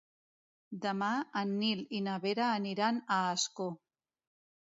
Demà en Nil i na Vera aniran a Ascó.